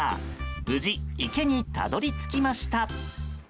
無事、池にたどり着けました。